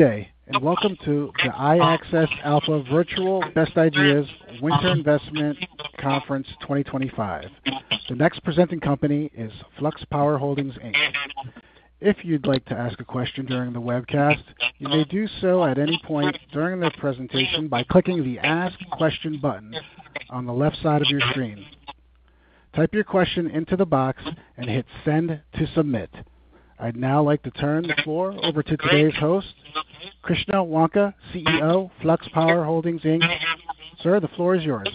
Good day, and welcome to the iAccess Alpha Virtual Best Ideas Winter Investment Conference 2025. The next presenting company is Flux Power Holdings Inc. If you'd like to ask a question during the webcast, you may do so at any point during the presentation by clicking the Ask Question button on the left side of your screen. Type your question into the box and hit Send to Submit. I'd now like to turn the floor over to today's host, Krishna Vanka, CEO, Flux Power Holdings Inc. Sir, the floor is yours.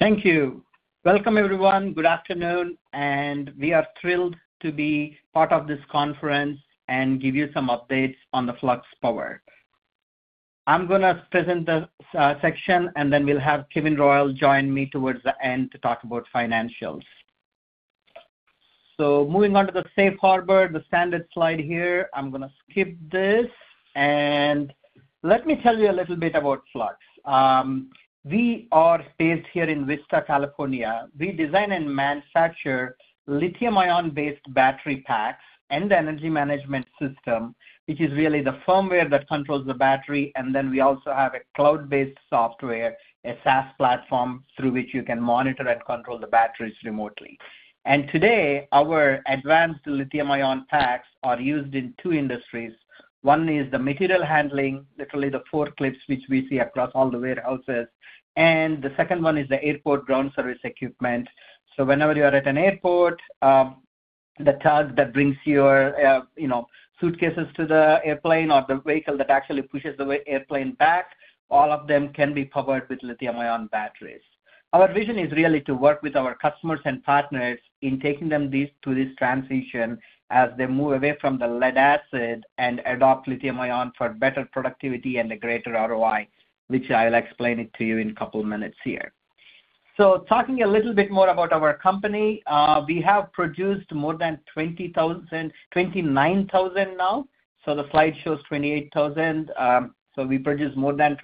Thank you. Welcome, everyone. Good afternoon, and we are thrilled to be part of this conference and give you some updates on the Flux Power. I'm going to present the section, and then we'll have Kevin Royal join me towards the end to talk about financials. So moving on to the safe harbor, the standard slide here. I'm going to skip this, and let me tell you a little bit about Flux. We are based here in Vista, California. We design and manufacture Lithium-ion-based battery packs and the energy management system, which is really the firmware that controls the battery. And then we also have a cloud-based software, a SaaS platform through which you can monitor and control the batteries remotely. And today, our advanced Lithium-ion packs are used in two industries. One is the material handling, literally the forklifts which we see across all the warehouses. The second one is the airport ground support equipment. Whenever you are at an airport, the tug that brings your suitcases to the airplane or the vehicle that actually pushes the airplane back, all of them can be powered with Lithium-ion batteries. Our vision is really to work with our customers and partners in taking them through this transition as they move away from the lead-acid and adopt Lithium-ion for better productivity and a greater ROI, which I'll explain to you in a couple of minutes here. Talking a little bit more about our company, we have produced more than 29,000 now. The slide shows 28,000. We produce more than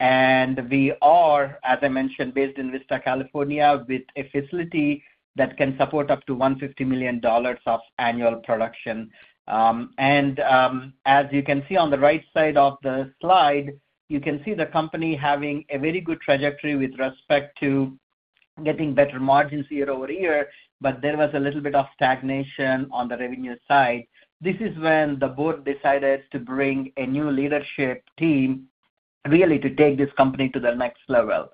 29,000. We are, as I mentioned, based in Vista, California, with a facility that can support up to $150 million of annual production. As you can see on the right side of the slide, you can see the company having a very good trajectory with respect to getting better margins year over year, but there was a little bit of stagnation on the revenue side. This is when the board decided to bring a new leadership team, really to take this company to the next level.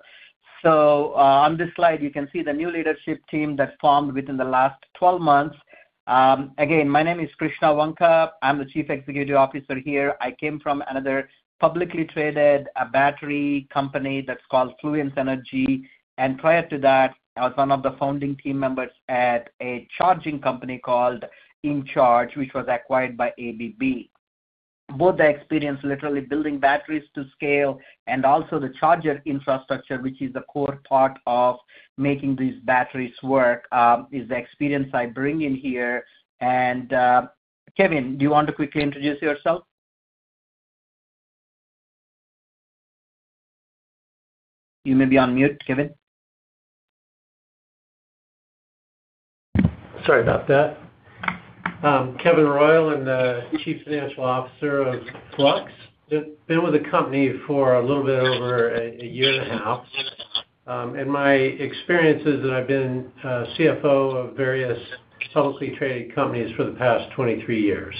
On this slide, you can see the new leadership team that formed within the last 12 months. Again, my name is Krishna Vanka. I'm the Chief Executive Officer here. I came from another publicly traded battery company that's called Fluence Energy. And prior to that, I was one of the founding team members at a charging company called InCharge, which was acquired by ABB. Both the experience literally building batteries to scale and also the charger infrastructure, which is a core part of making these batteries work, is the experience I bring in here. And Kevin, do you want to quickly introduce yourself? You may be on mute, Kevin. Sorry about that. Kevin Royal, I'm the Chief Financial Officer of Flux. I've been with the company for a little bit over a year and a half. And my experience is that I've been CFO of various publicly traded companies for the past 23 years.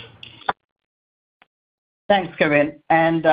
Thanks, Kevin. And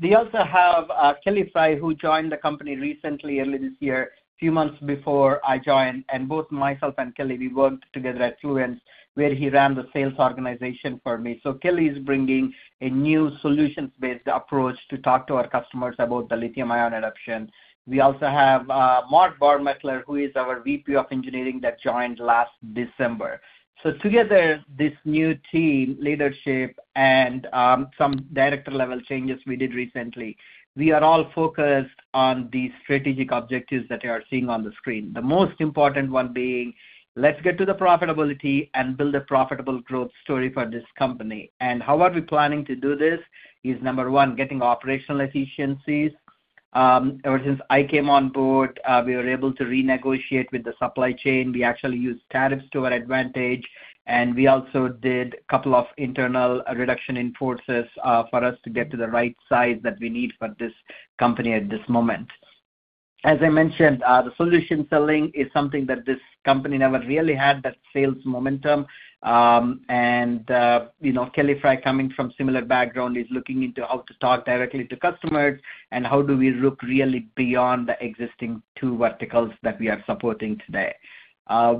we also have Kelly Frey, who joined the company recently, early this year, a few months before I joined. And both myself and Kelly, we worked together at Fluence, where he ran the sales organization for me. So Kelly is bringing a new solutions-based approach to talk to our customers about the Lithium-ion adoption. We also have Mark Barmettler, who is our VP of Engineering, that joined last December. So together, this new team, leadership, and some director-level changes we did recently, we are all focused on the strategic objectives that you are seeing on the screen. The most important one being, let's get to the profitability and build a profitable growth story for this company. And how are we planning to do this is, number one, getting operational efficiencies. Ever since I came on board, we were able to renegotiate with the supply chain. We actually used tariffs to our advantage, and we also did a couple of internal reduction in forces for us to get to the right size that we need for this company at this moment. As I mentioned, the solution selling is something that this company never really had, that sales momentum, and Kelly Frey, coming from a similar background, is looking into how to talk directly to customers and how do we look really beyond the existing two verticals that we are supporting today.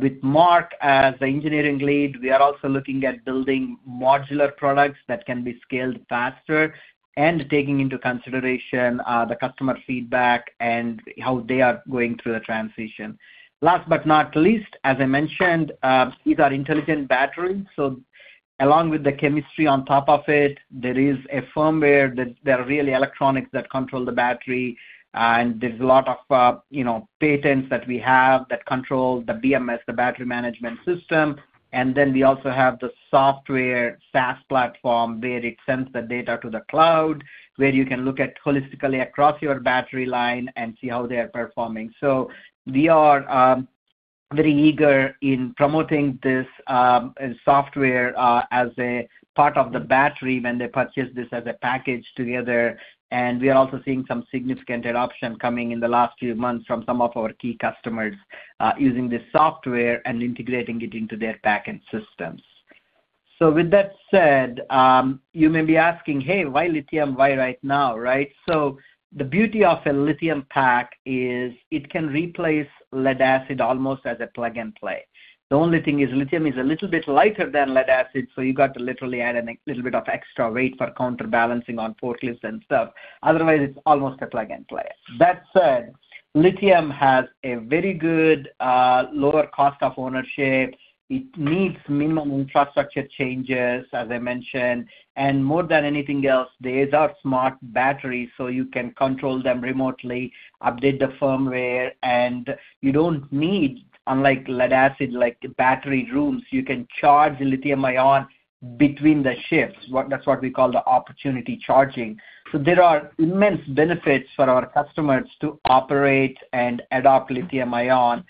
With Mark as the engineering lead, we are also looking at building modular products that can be scaled faster and taking into consideration the customer feedback and how they are going through the transition. Last but not least, as I mentioned, these are intelligent batteries. So, along with the chemistry on top of it, there is a firmware that there are really electronics that control the battery. And there's a lot of patents that we have that control the BMS, the battery management system. And then we also have the software SaaS platform, where it sends the data to the cloud, where you can look at holistically across your battery line and see how they are performing. So we are very eager in promoting this software as a part of the battery when they purchase this as a package together. And we are also seeing some significant adoption coming in the last few months from some of our key customers using this software and integrating it into their package systems. So with that said, you may be asking, "Hey, why Lithium? Why right now?" Right? So the beauty of a Lithium pack is it can replace lead-acid almost as a plug and play. The only thing is Lithium is a little bit lighter than lead-acid, so you got to literally add a little bit of extra weight for counterbalancing on forklifts and stuff. Otherwise, it's almost a plug and play. That said, Lithium has a very good lower cost of ownership. It needs minimum infrastructure changes, as I mentioned. And more than anything else, these are smart batteries, so you can control them remotely, update the firmware, and you don't need, unlike lead-acid, battery rooms. You can charge Lithium-ion between the shifts. That's what we call the opportunity charging. So there are immense benefits for our customers to operate and adopt Lithium-ion,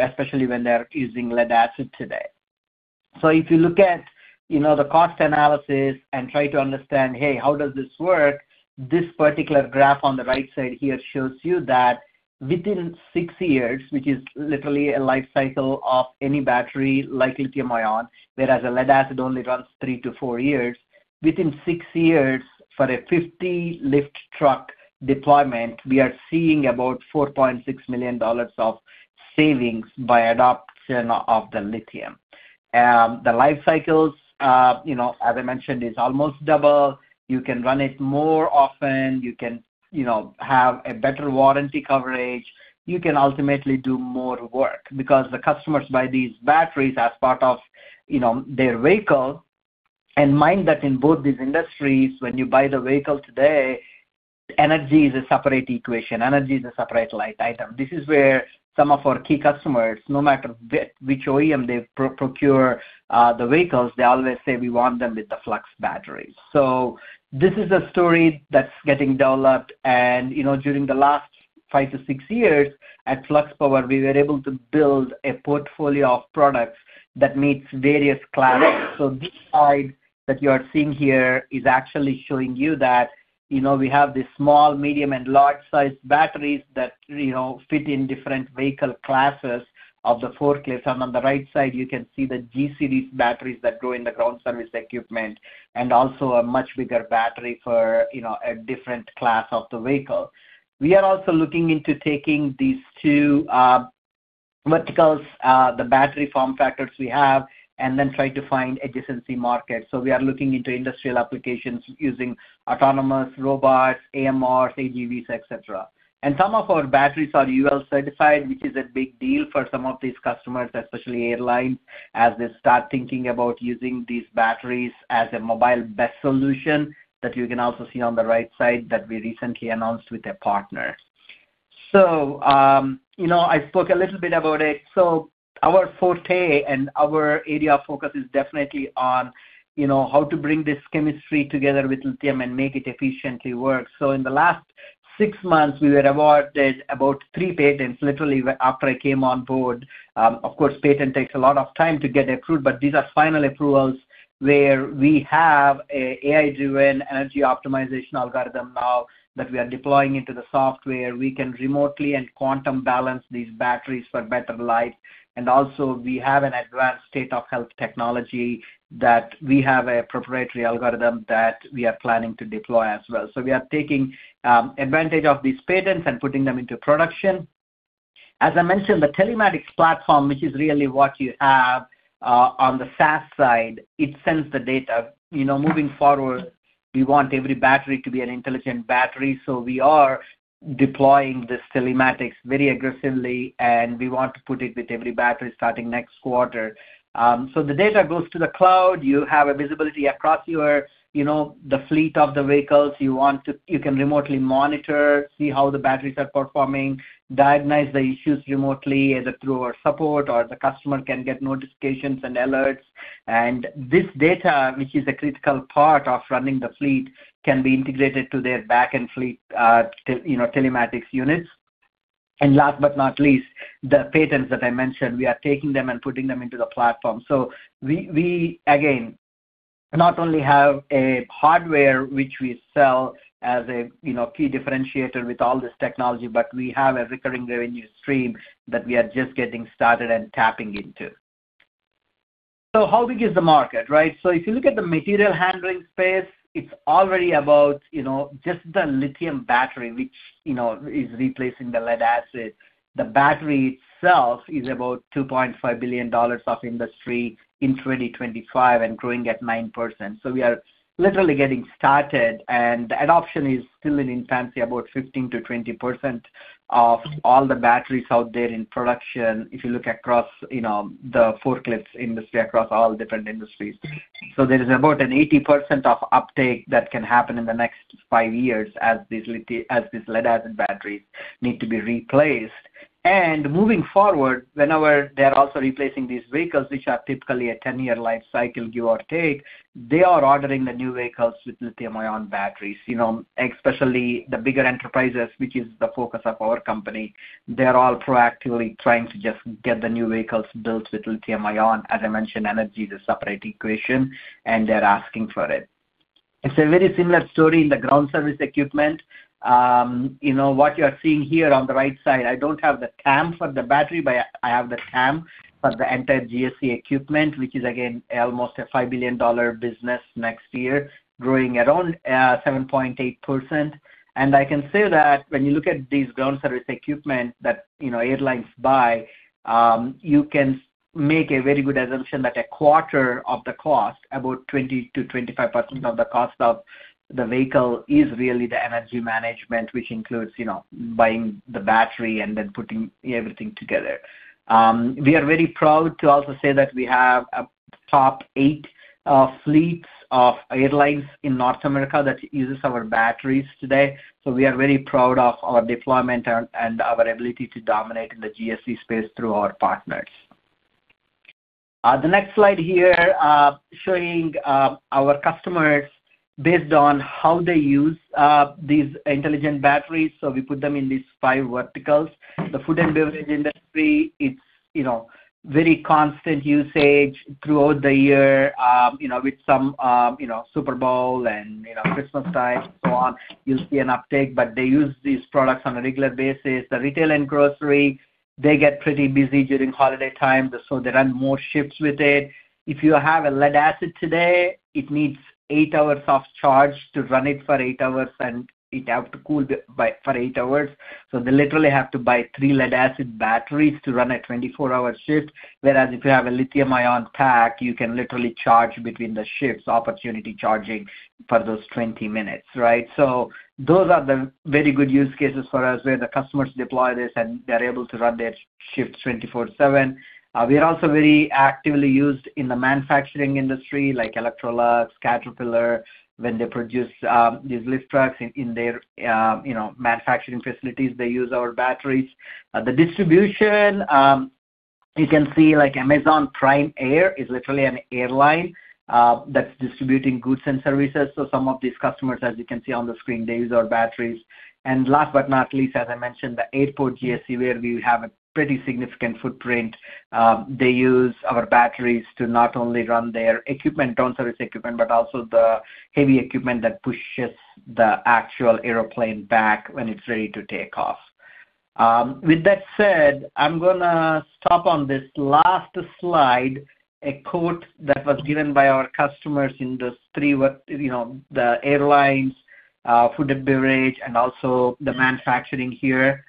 especially when they're using lead-acid today. So if you look at the cost analysis and try to understand, "Hey, how does this work?" This particular graph on the right side here shows you that within six years, which is literally a life cycle of any battery like Lithium-ion, whereas a lead-acid only runs three to four years, within six years for a 50-lift truck deployment, we are seeing about $4.6 million of savings by adoption of the Lithium. The life cycles, as I mentioned, is almost double. You can run it more often. You can have a better warranty coverage. You can ultimately do more work because the customers buy these batteries as part of their vehicle. And mind that in both these industries, when you buy the vehicle today, energy is a separate equation. Energy is a separate line item. This is where some of our key customers, no matter which OEM they procure the vehicles, they always say, "We want them with the Flux batteries." So this is a story that's getting developed. And during the last five to six years at Flux Power, we were able to build a portfolio of products that meets various classes. So this slide that you are seeing here is actually showing you that we have these small, medium, and large-sized batteries that fit in different vehicle classes of the forklift. And on the right side, you can see the G-Series batteries that go in the ground support equipment and also a much bigger battery for a different class of the vehicle. We are also looking into taking these two verticals, the battery form factors we have, and then try to find adjacency markets. We are looking into industrial applications using autonomous robots, AMRs, AGVs, etc. Some of our batteries are UL certified, which is a big deal for some of these customers, especially airlines, as they start thinking about using these batteries as a mobile best solution that you can also see on the right side that we recently announced with a partner. I spoke a little bit about it. Our forte and our area of focus is definitely on how to bring this chemistry together with Lithium and make it efficiently work. In the last six months, we were awarded about three patents, literally after I came on board. Of course, patent takes a lot of time to get approved, but these are final approvals where we have an AI-driven energy optimization algorithm now that we are deploying into the software. We can remotely and quantum balance these batteries for better life, and also, we have an advanced state-of-health technology that we have a proprietary algorithm that we are planning to deploy as well, so we are taking advantage of these patents and putting them into production. As I mentioned, the telematics platform, which is really what you have on the SaaS side, sends the data. Moving forward, we want every battery to be an intelligent battery, so we are deploying this telematics very aggressively, and we want to put it with every battery starting next quarter, so the data goes to the cloud. You have visibility across the fleet of the vehicles. You can remotely monitor, see how the batteries are performing, diagnose the issues remotely either through our support or the customer can get notifications and alerts. This data, which is a critical part of running the fleet, can be integrated to their back-end fleet telematics units. Last but not least, the patents that I mentioned, we are taking them and putting them into the platform. We, again, not only have a hardware which we sell as a key differentiator with all this technology, but we have a recurring revenue stream that we are just getting started and tapping into. How big is the market, right? If you look at the material handling space, it's already about just the Lithium battery, which is replacing the lead acid. The battery itself is about $2.5 billion of industry in 2025 and growing at 9%. So we are literally getting started, and the adoption is still in infancy, about 15%-20% of all the batteries out there in production if you look across the forklift industry, across all different industries. So there is about an 80% of uptake that can happen in the next five years as these lead-acid batteries need to be replaced. And moving forward, whenever they're also replacing these vehicles, which are typically a 10-year life cycle, give or take, they are ordering the new vehicles with Lithium-ion batteries, especially the bigger enterprises, which is the focus of our company. They're all proactively trying to just get the new vehicles built with Lithium-ion. As I mentioned, energy is a separate equation, and they're asking for it. It's a very similar story in the ground support equipment. What you're seeing here on the right side, I don't have the CAM for the battery, but I have the CAM for the entire GSE equipment, which is, again, almost a $5 billion business next year, growing around 7.8%. And I can say that when you look at these ground support equipment that airlines buy, you can make a very good assumption that a quarter of the cost, about 20%-25% of the cost of the vehicle, is really the energy management, which includes buying the battery and then putting everything together. We are very proud to also say that we have a top eight fleets of airlines in North America that uses our batteries today. So we are very proud of our deployment and our ability to dominate in the GSE space through our partners. The next slide here showing our customers based on how they use these intelligent batteries, so we put them in these five verticals. The food and beverage industry, it's very constant usage throughout the year with some Super Bowl and Christmas time and so on. You'll see an uptick, but they use these products on a regular basis. The retail and grocery, they get pretty busy during holiday time, so they run more shifts with it. If you have a lead acid today, it needs eight hours of charge to run it for eight hours, and it has to cool for eight hours. So they literally have to buy three lead-acid batteries to run a 24-hour shift. Whereas if you have a Lithium-ion pack, you can literally charge between the shifts, opportunity charging for those 20 minutes, right? Those are the very good use cases for us where the customers deploy this and they're able to run their shifts 24/7. We are also very actively used in the manufacturing industry, like Electrolux, Caterpillar, when they produce these lift trucks in their manufacturing facilities. They use our batteries. The distribution, you can see Amazon Prime Air is literally an airline that's distributing goods and services. Some of these customers, as you can see on the screen, they use our batteries. Last but not least, as I mentioned, the airport GSE, where we have a pretty significant footprint, they use our batteries to not only run their equipment, ground support equipment, but also the heavy equipment that pushes the actual airplane back when it's ready to take off. With that said, I'm going to stop on this last slide, a quote that was given by our customers in those three, the airlines, food and beverage, and also the manufacturing here.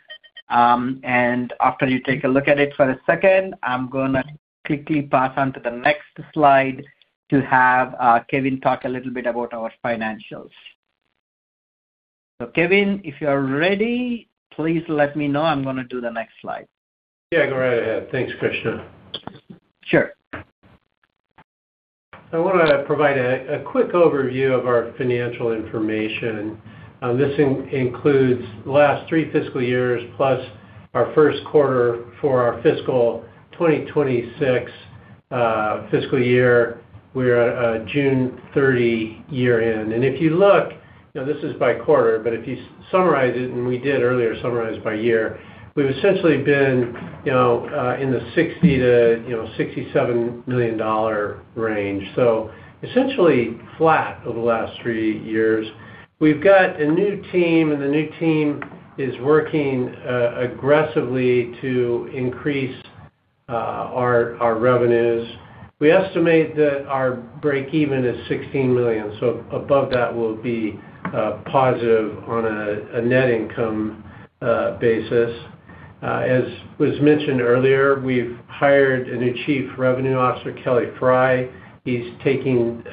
And after you take a look at it for a second, I'm going to quickly pass on to the next slide to have Kevin talk a little bit about our financials. So Kevin, if you're ready, please let me know. I'm going to do the next slide. Yeah, go right ahead. Thanks, Krishna. Sure. I want to provide a quick overview of our financial information. This includes the last three fiscal years plus our first quarter for our fiscal 2026 fiscal year. We're a June 30 year in. And if you look, this is by quarter, but if you summarize it, and we did earlier summarize by year, we've essentially been in the $60-$67 million range. So essentially flat over the last three years. We've got a new team, and the new team is working aggressively to increase our revenues. We estimate that our break-even is $16 million. So above that, we'll be positive on a net income basis. As was mentioned earlier, we've hired a new Chief Revenue Officer, Kelly Frey. He's taking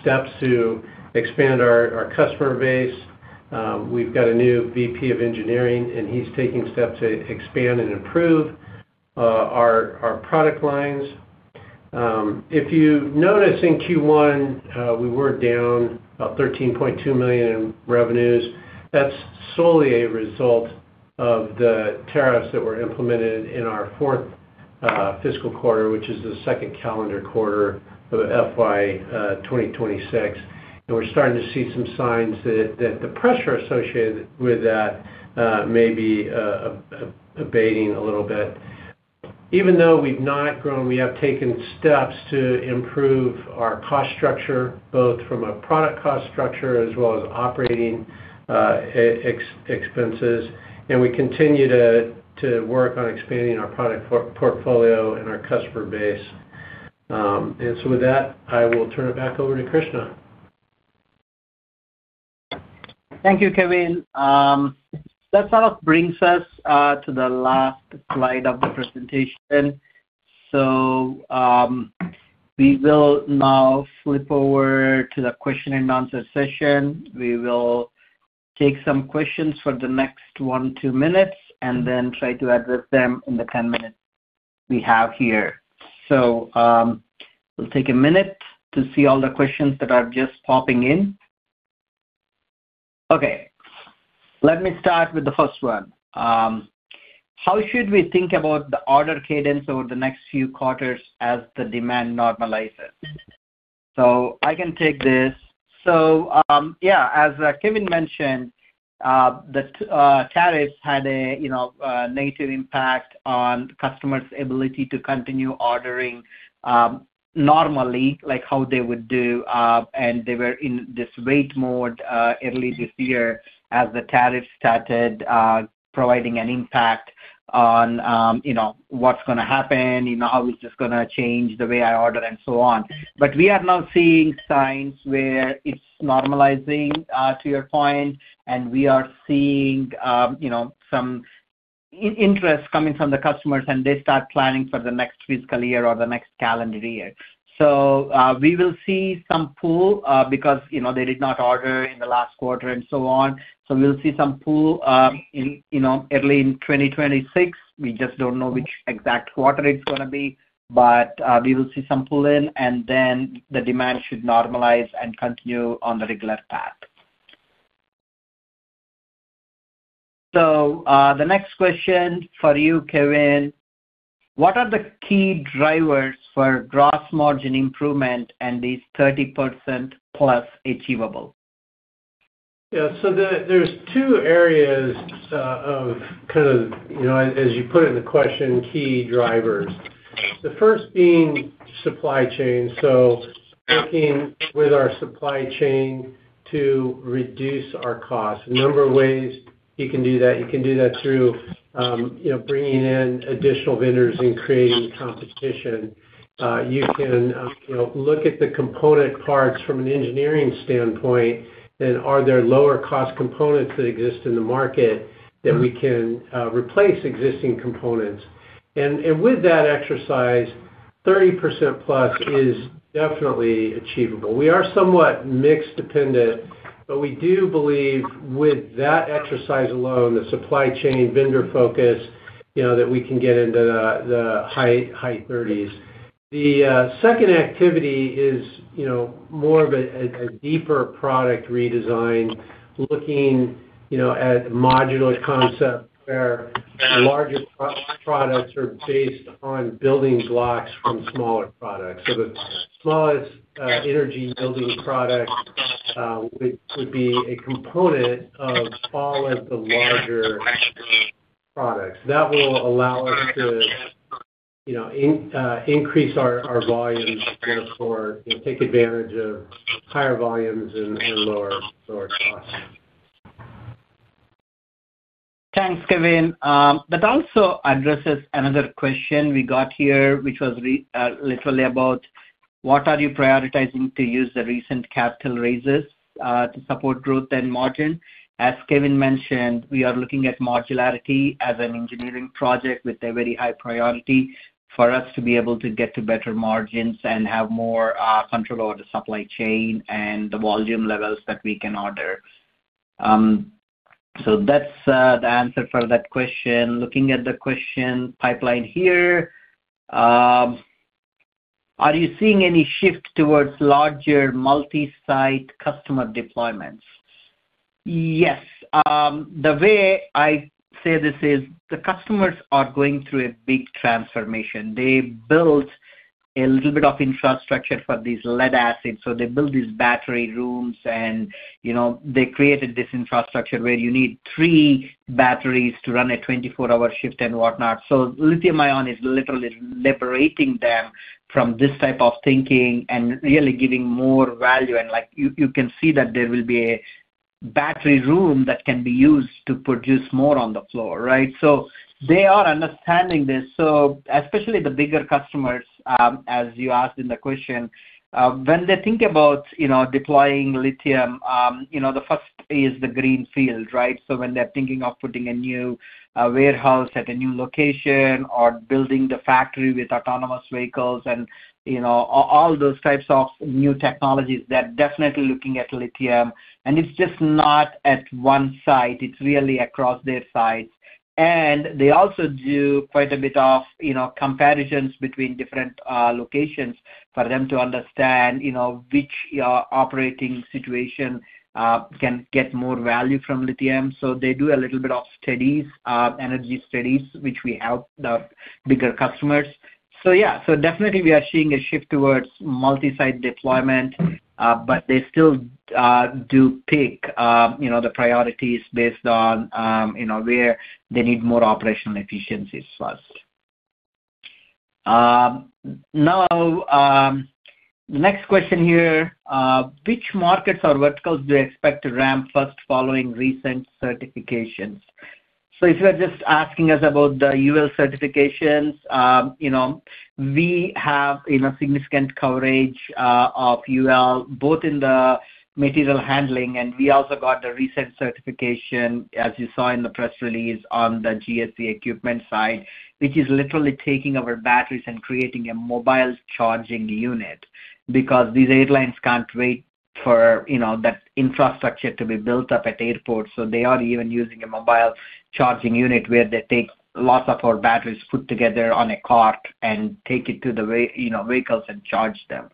steps to expand our customer base. We've got a new VP of Engineering, and he's taking steps to expand and improve our product lines. If you notice in Q1, we were down about $13.2 million in revenues. That's solely a result of the tariffs that were implemented in our fourth fiscal quarter, which is the second calendar quarter of FY 2026. We're starting to see some signs that the pressure associated with that may be abating a little bit. Even though we've not grown, we have taken steps to improve our cost structure, both from a product cost structure as well as operating expenses. We continue to work on expanding our product portfolio and our customer base. With that, I will turn it back over to Krishna. Thank you, Kevin. That sort of brings us to the last slide of the presentation. We will now flip over to the question and answer session. We will take some questions for the next one, two minutes, and then try to address them in the 10 minutes we have here. We'll take a minute to see all the questions that are just popping in. Okay. Let me start with the first one. How should we think about the order cadence over the next few quarters as the demand normalizes? So I can take this. So yeah, as Kevin mentioned, the tariffs had a negative impact on customers' ability to continue ordering normally, like how they would do. And they were in this wait mode early this year as the tariffs started providing an impact on what's going to happen, how it's just going to change the way I order, and so on. But we are now seeing signs where it's normalizing, to your point, and we are seeing some interest coming from the customers, and they start planning for the next fiscal year or the next calendar year. So we will see some pull because they did not order in the last quarter and so on. So we'll see some pull early in 2026. We just don't know which exact quarter it's going to be, but we will see some pull in, and then the demand should normalize and continue on the regular path. So the next question for you, Kevin, what are the key drivers for gross margin improvement and these 30% plus achievable? Yeah. So there's two areas of kind of, as you put it in the question, key drivers. The first being supply chain. So working with our supply chain to reduce our cost. A number of ways you can do that. You can do that through bringing in additional vendors and creating competition. You can look at the component parts from an engineering standpoint, and are there lower-cost components that exist in the market that we can replace existing components? And with that exercise, 30% plus is definitely achievable. We are somewhat mixed-dependent, but we do believe with that exercise alone, the supply chain vendor focus, that we can get into the high 30s. The second activity is more of a deeper product redesign, looking at a modular concept where larger products are based on building blocks from smaller products. So the smallest energy building product would be a component of all of the larger products. That will allow us to increase our volumes and therefore take advantage of higher volumes and lower costs. Thanks, Kevin. That also addresses another question we got here, which was literally about what are you prioritizing to use the recent capital raises to support growth and margin? As Kevin mentioned, we are looking at modularity as an engineering project with a very high priority for us to be able to get to better margins and have more control over the supply chain and the volume levels that we can order. So that's the answer for that question. Looking at the question pipeline here, are you seeing any shift towards larger multi-site customer deployments? Yes. The way I say this is the customers are going through a big transformation. They built a little bit of infrastructure for these lead-acid. So they built these battery rooms, and they created this infrastructure where you need three batteries to run a 24-hour shift and whatnot. So Lithium-ion is literally liberating them from this type of thinking and really giving more value. And you can see that there will be a battery room that can be used to produce more on the floor, right? So they are understanding this. So especially the bigger customers, as you asked in the question, when they think about deploying Lithium, the first is the green field, right? So when they're thinking of putting a new warehouse at a new location or building the factory with autonomous vehicles and all those types of new technologies, they're definitely looking at Lithium. And it's just not at one site. It's really across their sites. And they also do quite a bit of comparisons between different locations for them to understand which operating situation can get more value from Lithium. So they do a little bit of studies, energy studies, which we help the bigger customers. So yeah, so definitely we are seeing a shift towards multi-site deployment, but they still do pick the priorities based on where they need more operational efficiencies first. Now, the next question here, which markets or verticals do you expect to ramp first following recent certifications? So if you're just asking us about the UL certifications, we have significant coverage of UL both in the material handling, and we also got the recent certification, as you saw in the press release, on the GSE equipment side, which is literally taking our batteries and creating a mobile charging unit because these airlines can't wait for that infrastructure to be built up at airports. So they are even using a mobile charging unit where they take lots of our batteries, put together on a cart, and take it to the vehicles and charge them.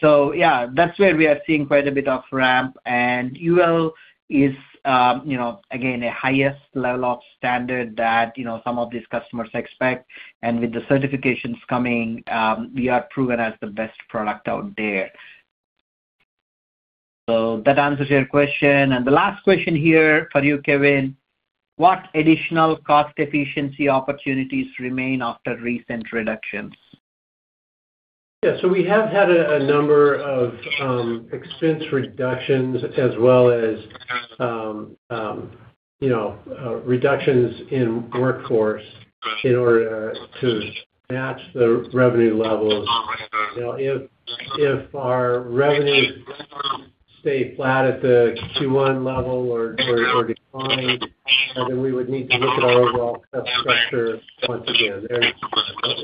So yeah, that's where we are seeing quite a bit of ramp. And UL is, again, a highest level of standard that some of these customers expect. And with the certifications coming, we are proven as the best product out there. So that answers your question. And the last question here for you, Kevin, what additional cost efficiency opportunities remain after recent reductions? Yeah. So we have had a number of expense reductions as well as reductions in workforce in order to match the revenue levels. Now, if our revenues stay flat at the Q1 level or decline, then we would need to look at our overall structure once again.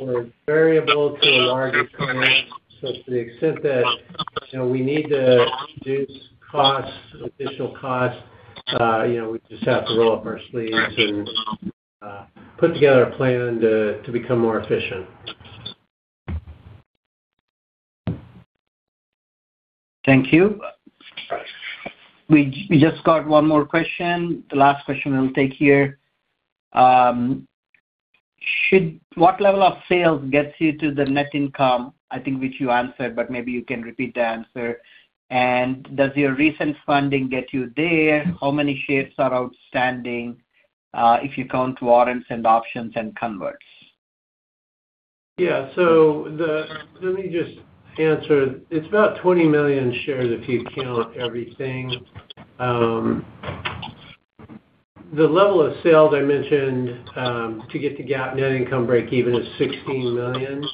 We're variable to a larger client. So to the extent that we need to reduce costs, additional costs, we just have to roll up our sleeves and put together a plan to become more efficient. Thank you. We just got one more question. The last question we'll take here. What level of sales gets you to the net income? I think you answered, but maybe you can repeat the answer. And does your recent funding get you there? How many shares are outstanding if you count warrants and options and converts? Yeah. So let me just answer. It's about 20 million shares if you count everything. The level of sales I mentioned to get to net income break-even is $16 million.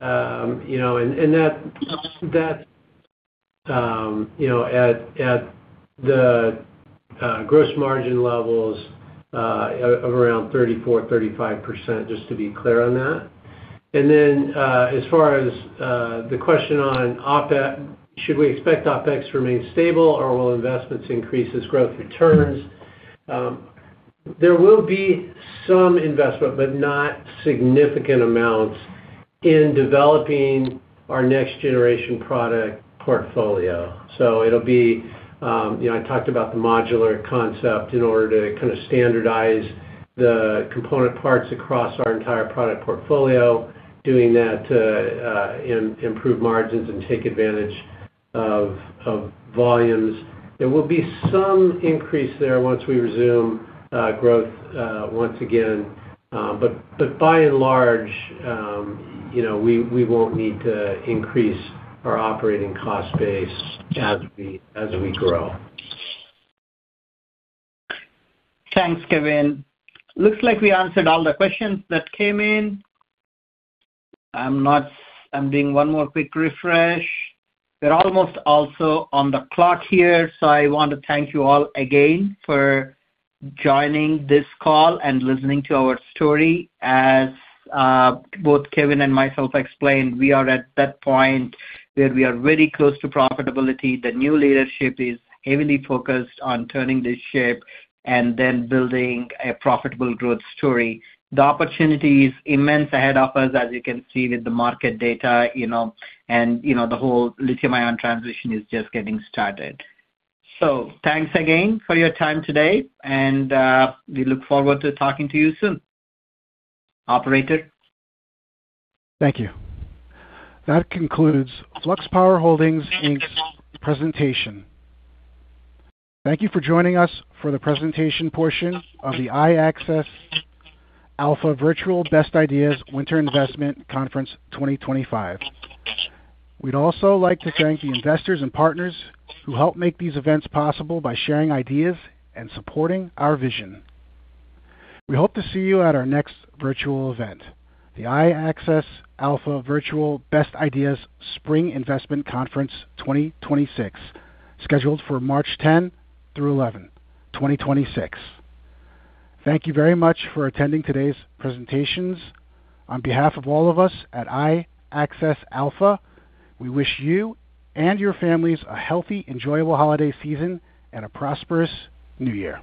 And that's at the gross margin levels of around 34%-35%, just to be clear on that. And then as far as the question on OpEx, should we expect OpEx to remain stable or will investments increase as growth returns? There will be some investment, but not significant amounts in developing our next-generation product portfolio. So it'll be I talked about the modular concept in order to kind of standardize the component parts across our entire product portfolio, doing that to improve margins and take advantage of volumes. There will be some increase there once we resume growth once again. But by and large, we won't need to increase our operating cost base as we grow. Thanks, Kevin. Looks like we answered all the questions that came in. I'm doing one more quick refresh. We're almost also on the clock here. So I want to thank you all again for joining this call and listening to our story. As both Kevin and myself explained, we are at that point where we are very close to profitability. The new leadership is heavily focused on turning this ship and then building a profitable growth story. The opportunity is immense ahead of us, as you can see with the market data, and the whole Lithium-ion transition is just getting started. So thanks again for your time today, and we look forward to talking to you soon, operator. Thank you. That concludes Flux Power Holdings, Inc.'s presentation. Thank you for joining us for the presentation portion of the iAccess Alpha Virtual Best Ideas Winter Investment Conference 2025. We'd also like to thank the investors and partners who help make these events possible by sharing ideas and supporting our vision. We hope to see you at our next virtual event, the iAccess Alpha Virtual Best Ideas Spring Investment Conference 2026, scheduled for March 10 through 11, 2026. Thank you very much for attending today's presentations. On behalf of all of us at iAccess Alpha, we wish you and your families a healthy, enjoyable holiday season and a prosperous New Year.